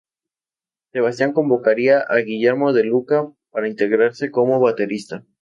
Sebastián convocaría a Guillermo De Lucca para integrarse como baterista.